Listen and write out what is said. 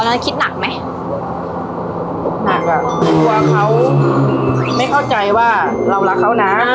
ตอนนั้นคิดหนักไหมหนักค่ะเพราะว่าเขาไม่เข้าใจว่าเรารักเขาน่ะ